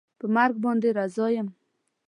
په مرګ باندې رضا یم